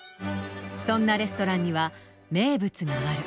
そんなレストランには名物がある。